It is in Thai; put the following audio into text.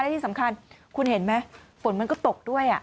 ที่สำคัญคุณเห็นไหมฝนมันก็ตกด้วย